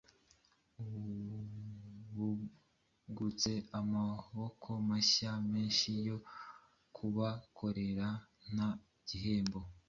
bungutse amaboko mashya menshi yo kubakorera nta gihembo.